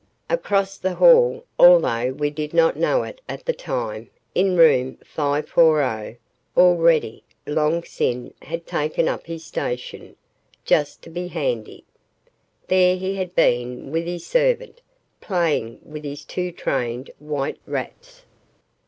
Across the hall, although we did not know it at the time, in room 540, already, Long Sin had taken up his station, just to be handy. There he had been with his servant, playing with his two trained white rats.